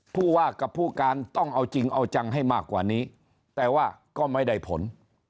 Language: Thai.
ผู้ว่ากับผู้การต้องเอาจริงเอาจังให้มากกว่านี้แต่ว่าก็ไม่ได้ผล